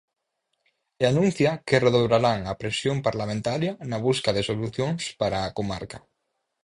E anuncia que redobrarán a presión parlamentaria na busca de solucións para a comarca.